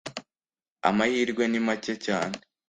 amahirwe ni macye cyane